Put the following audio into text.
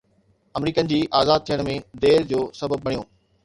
آمريڪين جي آزاد ٿيڻ ۾ دير جو سبب بڻيو